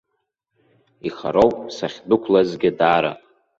Ихароуп сахьдәықәлазгьы даара.